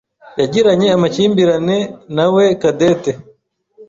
yagiranye amakimbirane nawe Cadette.